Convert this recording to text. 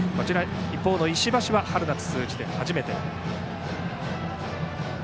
一方の石橋は春夏通じて初めて。